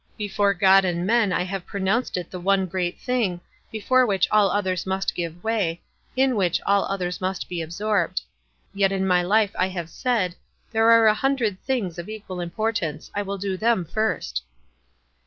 ' Before God and men I have pronounced it the one great thing, before which all others must give way, WISE AND OTHERWISE. 181 in which till others must be absorbed; yet in my life 1 have said, f There are a hundred things of equal importance. I will do them first.'"